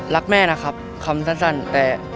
รักแม่นะครับคำสั้นแต่